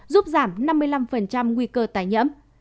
giúp giảm năm mươi năm nguy cơ tài nhiễm